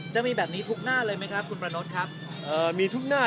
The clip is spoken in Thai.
จะมีแบบนี้ทุกหน้าเลยไหมครับคุณประนดครับเอ่อมีทุกหน้า